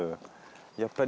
やっぱり。